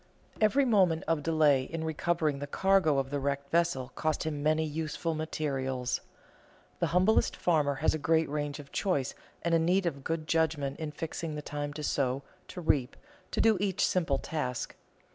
Every moment of delay in recovering the cargo of the wrecked vessel cost him many useful materials. The humblest farmer has a great range of choice and a need of good judgment in fixing the time to sow, to reap, to do each simple task.